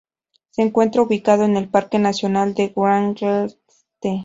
Se encuentra ubicado en el Parque Nacional de Wrangell-St.